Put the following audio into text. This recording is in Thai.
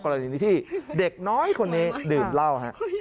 กรณีนี้ที่เด็กน้อยคนนี้ดื่มเหล้าฮะ